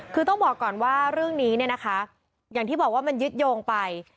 คือต้องบอกก่อนว่าเรื่องนี้เนี่ยนะคะอย่างที่บอกว่ามันยึดโยงไป